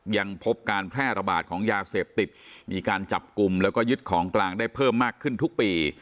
ยังพบการแพร่ระบาดของยาเสพติดมีการจับกลุ่มแล้วก็ยึดของกลางได้เพิ่มมากขึ้นทุกปี